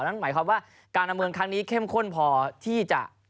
หมายความว่าการนำเมืองครั้งนี้เข้มข้นพอที่จะ